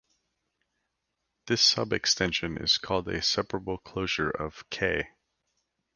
This subextension is called a separable closure of "K".